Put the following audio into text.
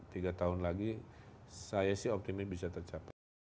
tiga tahun lagi saya sih optimis bisa tercapai